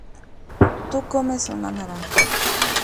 tu comes una naranja